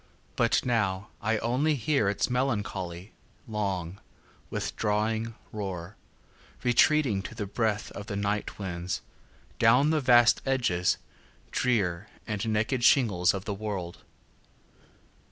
But now I only hearIts melancholy, long, withdrawing roar, Retreating, to the breathOf the night winds, down the vast edges drearAnd naked shingles of the world.